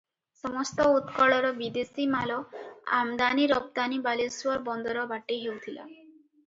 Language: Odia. ସମସ୍ତ ଉତ୍କଳର ବିଦେଶୀ ମାଲ ଆମଦାନି ରପ୍ତାନି ବାଲେଶ୍ୱର ବନ୍ଦର ବାଟେ ହେଉଥିଲା ।